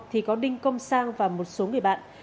thì có đinh công sang và một số người bạn